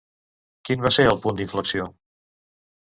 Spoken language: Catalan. Quin va ser el punt d'inflexió?